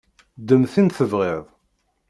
Ddem tin tebɣiḍ.